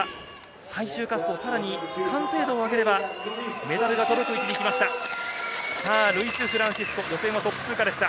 最終滑走、さらに完成度を上げればメダルが届く位置にきました。